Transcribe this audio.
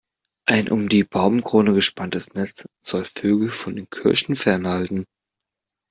Ein um die Baumkrone gespanntes Netz soll Vögel von den Kirschen fernhalten.